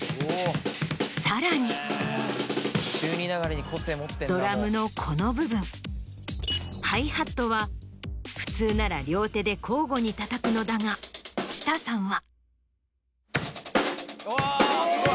さらにドラムのこの部分ハイハットは普通なら両手で交互にたたくのだがＣＨＩＴＡＡさんは。